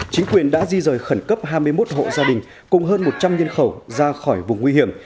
chính quyền đã di rời khẩn cấp hai mươi một hộ gia đình cùng hơn một trăm linh nhân khẩu ra khỏi vùng nguy hiểm